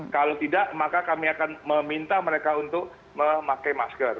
kalau tidak maka kami akan meminta mereka untuk memakai masker